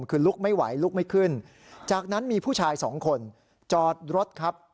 คือลุกไม่ไหวลุกไม่ขึ้นจากนั้นมีผู้ชายสองคนจอดรถครับ